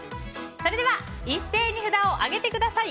それでは一斉に札を上げてください。